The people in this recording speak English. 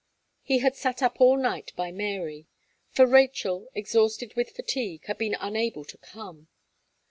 He had sat up all night by Mary; for Rachel, exhausted with fatigue, had been unable to come.